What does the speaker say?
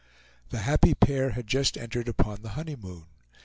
The happy pair had just entered upon the honeymoon.